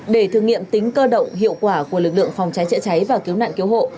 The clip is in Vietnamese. để thử nghiệm tính cơ động hiệu quả của lực lượng phòng cháy chữa cháy và cứu nạn cứu hộ